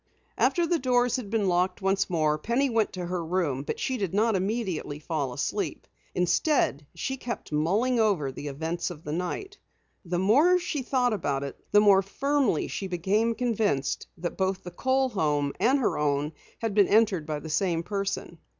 After the doors had been locked once more Penny went to her room, but she did not immediately fall asleep. Instead, she kept mulling over the events of the night. The more she thought about it the more firmly she became convinced that both the Kohl home and her own had been entered by the same person.